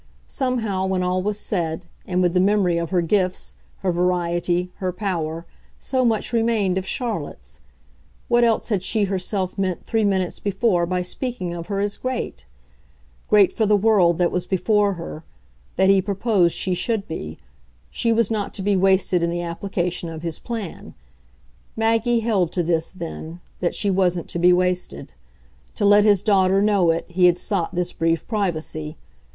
Somehow, when all was said, and with the memory of her gifts, her variety, her power, so much remained of Charlotte's! What else had she herself meant three minutes before by speaking of her as great? Great for the world that was before her that he proposed she should be: she was not to be wasted in the application of his plan. Maggie held to this then that she wasn't to be wasted. To let his daughter know it he had sought this brief privacy.